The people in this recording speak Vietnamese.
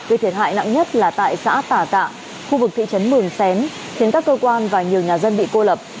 với thiệt hại nặng nhất là tại xã tà cạ khu vực thị trấn mường xén khiến các cơ quan và nhiều nhà dân bị cô lập